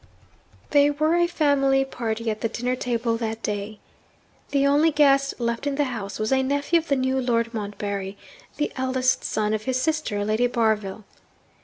They were a family party at the dinner table that day. The only guest left in the house was a nephew of the new Lord Montbarry the eldest son of his sister, Lady Barville.